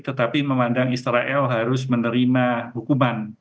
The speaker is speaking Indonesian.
tetapi memandang israel harus menerima hukuman